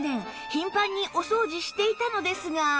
頻繁にお掃除していたのですが